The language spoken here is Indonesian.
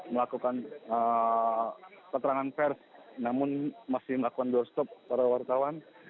melakukan keterangan pers namun masih melakukan doorstop para wartawan